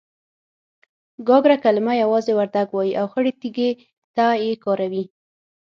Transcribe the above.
گاگره کلمه يوازې وردگ وايي او خړې تيږې ته يې کاروي.